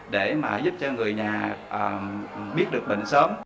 để giúp cho người nhà biết được bệnh sớm